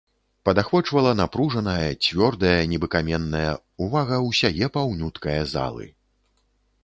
Падахвочвала напружаная, цвёрдая, нібы каменная, увага ўсяе паўнюткае залы.